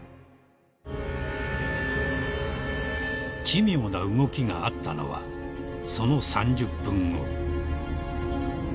［奇妙な動きがあったのはその３０分後］